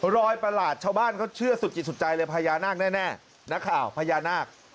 ประหลาดชาวบ้านเขาเชื่อสุดจิตสุดใจเลยพญานาคแน่นักข่าวพญานาค